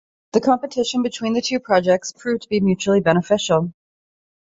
The competition between the two projects proved to be mutually beneficial.